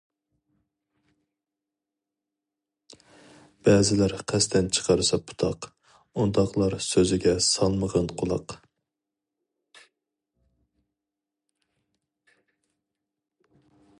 بەزىلەر قەستەن چىقارسا پۇتاق، ئۇنداقلار سۆزىگە سالمىغىن قۇلاق.